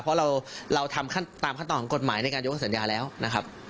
เพราะเราทำตามขั้นตอนของกฎหมายในการยกสัญญาแล้วนะครับ